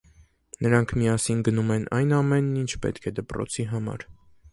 Նրանք միասին գնում են այն ամենն, ինչ պետք է դպրոցի համար։